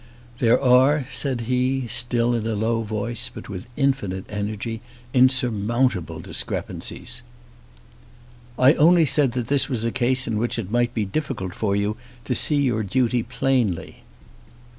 "There are," said he, still with a low voice, but with infinite energy, "insurmountable discrepancies." "I only said that this was a case in which it might be difficult for you to see your duty plainly."